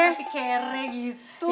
suami ganteng tapi kere gitu